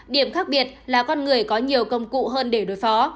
điểm khác biệt là con người có nhiều công cụ hơn để đối phó